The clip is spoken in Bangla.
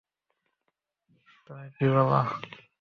তুমি কি বলো?